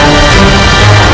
aku akan menang